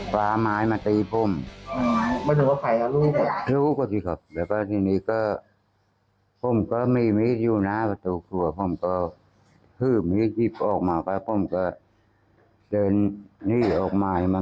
พาไม้มาตีผม